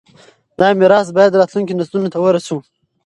دا میراث باید راتلونکو نسلونو ته ورسوو.